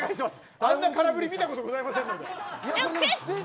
あんな空振り見たことございませんので。